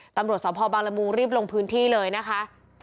ตำรวจสพบางละมุงรีบลงพื้นที่เลยนะคะ